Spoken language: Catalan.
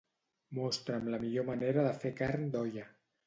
Mostra'm la millor manera de fer carn d'olla.